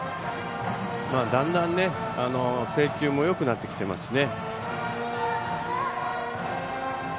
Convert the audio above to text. だんだん制球もよくなってきていますしね。